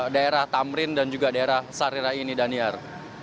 daerah tamrin dan juga daerah sarira ini daniar